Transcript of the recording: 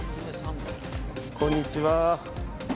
こんにちは。